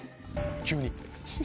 急に？